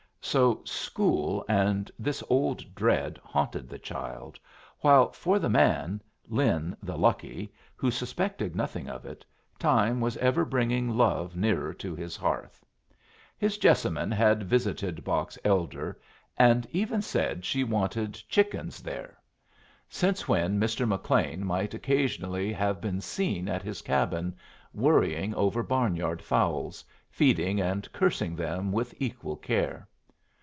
So school and this old dread haunted the child, while for the man, Lin the lucky, who suspected nothing of it, time was ever bringing love nearer to his hearth. His Jessamine had visited Box Elder, and even said she wanted chickens there; since when Mr. McLean might occasionally have been seen at his cabin, worrying over barn yard fowls, feeding and cursing them with equal care.